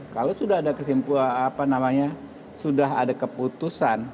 kalau sudah ada keputusan